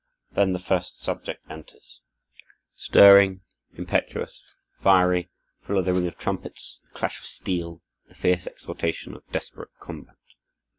Then the first subject enters, stirring, impetuous, fiery, full of the ring of trumpets, the clash of steel, the fierce exultation of desperate combat.